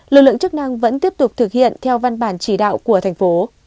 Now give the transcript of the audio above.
lực lượng chức năng vẫn tiếp tục thực hiện theo văn bản chỉ đạo của thành phố